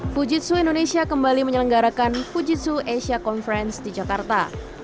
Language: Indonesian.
fujitsu indonesia kembali menyelenggarakan fujitsu asia conference di jakarta